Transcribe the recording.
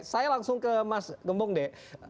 saya langsung ke mas gembong deh